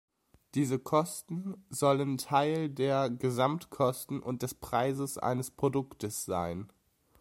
Diese Kosten sollen Teil der Gesamtkosten und des Preises eines Produktes sein.